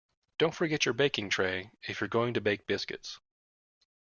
Don't forget your baking tray if you're going to bake biscuits